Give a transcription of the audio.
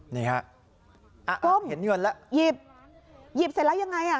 นี่ค่ะเห็นเงินแล้ว